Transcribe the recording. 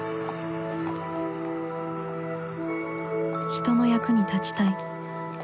人の役に立ちたい